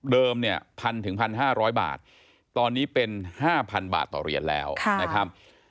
เนี่ย๑๐๐๑๕๐๐บาทตอนนี้เป็น๕๐๐บาทต่อเหรียญแล้วนะครับ